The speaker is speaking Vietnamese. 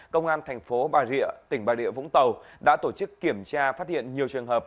công an thành phố bà rịa tỉnh bà địa vũng tàu đã tổ chức kiểm tra phát hiện nhiều trường hợp